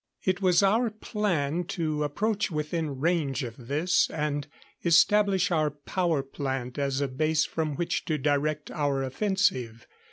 It was our plan to approach within range of this and establish our power plant as a base from which to direct our offensive.